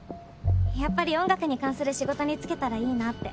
やっぱり音楽に関する仕事に就けたらいいなって。